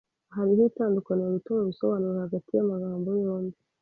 Hariho itandukaniro rito mubisobanuro hagati yamagambo yombi.